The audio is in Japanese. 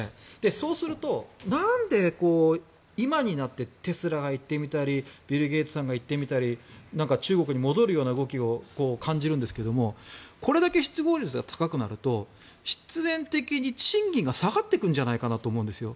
そうすると、何で今になってテスラが行ってみたりビル・ゲイツさんが行ってみたり中国に戻るような動きを感じるんですがこれだけ失業率が高くなると必然的に賃金が下がってくるんじゃないかと思うんですよ。